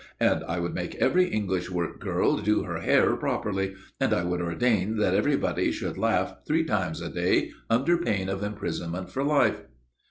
and I would make every English work girl do her hair properly, and I would ordain that everybody should laugh three times a day, under pain of imprisonment for life."